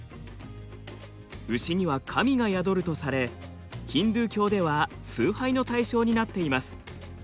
牛には神が宿るとされヒンドゥー教では崇拝の対象になっています。